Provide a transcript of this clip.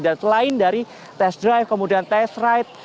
dan selain dari test drive kemudian test ride